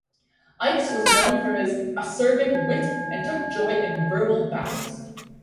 Ickes was known for his acerbic wit and took joy in verbal battles.